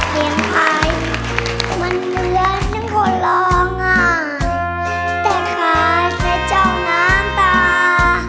เสียงไพมันเหมือนหนึ่งคนรอง่ายแต่ขาดในเจ้าน้ำตา